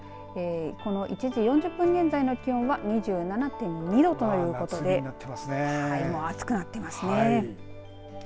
１時４０分現在の気温は２７．２度ということで暑くなっていますね。